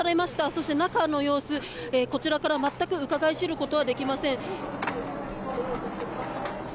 そして中の様子こちらから全くうかがい知ることはできません。